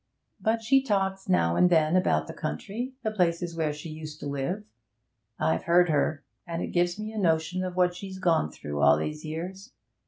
But she talks now and then about the country the places where she used to live. I've heard her, and it gives me a notion of what she's gone through all these years.